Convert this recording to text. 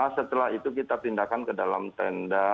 setelah itu kita pindahkan ke dalam tenda